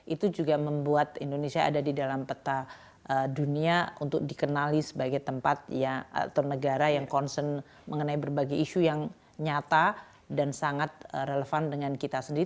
itu juga membuat indonesia ada di dalam peta dunia untuk dikenali sebagai tempat atau negara yang concern mengenai berbagai isu yang nyata dan sangat relevan dengan kita sendiri